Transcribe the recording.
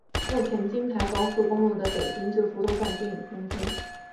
目前京台高速公路的北京至福州段均已通车。